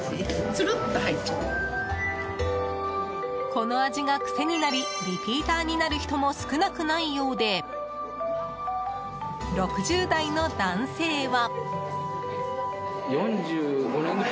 この味が癖になりリピーターになる人も少なくないようで６０代の男性は。